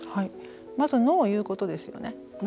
まずノーを言うことですよね。